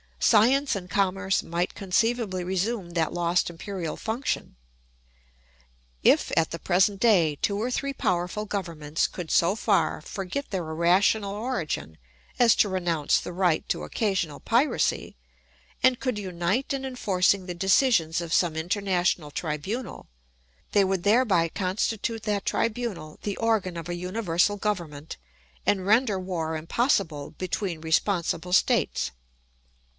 Science and commerce might conceivably resume that lost imperial function. If at the present day two or three powerful governments could so far forget their irrational origin as to renounce the right to occasional piracy and could unite in enforcing the decisions of some international tribunal, they would thereby constitute that tribunal the organ of a universal government and render war impossible between responsible states.